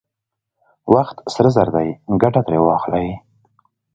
وخت سره زر دی، ګټه ترې واخلئ!